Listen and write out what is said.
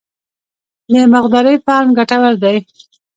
د مرغدارۍ فارم ګټور دی؟